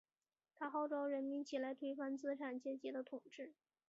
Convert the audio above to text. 他号召人民起来推翻资产阶级的统治。